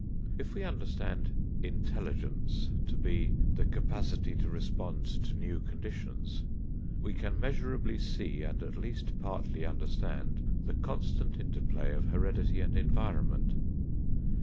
If we understand "intelligence" to be the "capacity to respond to new conditions," we can measurably see and at least partly understand the constant inter play of heredity and environment.